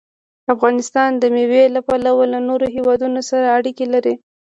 افغانستان د مېوې له پلوه له نورو هېوادونو سره اړیکې لري.